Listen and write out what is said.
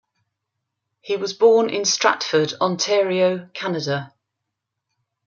He was born in Stratford, Ontario, Canada.